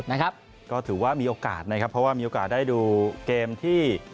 นะครับก็ถือว่ามีโอกาสนะครับเพราะว่ามีโอกาสได้ดูเกมที่